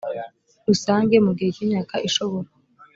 rusange mu gihe cy imyaka ishobora